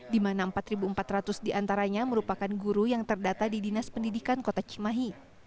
di mana empat empat ratus diantaranya merupakan guru yang terdata di dinas pendidikan kota cimahi